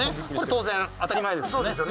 当然、当たり前ですよね。